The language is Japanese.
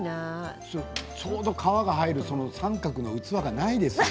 ちょうど皮が入るその三角の器がないですよ。